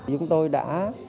chúng tôi đã